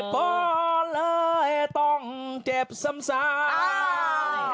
ก็เลยต้องเจ็บสำซัก